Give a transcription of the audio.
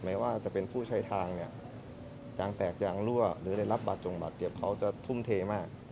ไม่ว่าจะเป็นผู้ใช้ทางเนี่ยยางแตกยางรั่วหรือได้รับบาดจงบาดเจ็บเขาจะทุ่มเทมาก